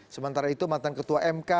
sementara itu mantan ketua mk